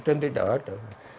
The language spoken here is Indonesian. dan tidak ada